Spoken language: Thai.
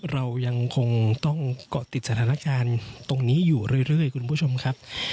เรายังคงต้องเกาะติดสถานการณ์ตรงนี้อยู่เรื่อยคุณผู้ชมครับ